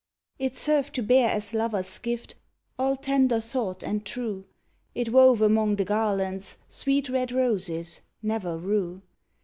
It served to bear as lover's gift all tender thought and true, It wove among the garlands sweet red roses, never rue!